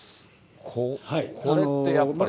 これってやっぱり。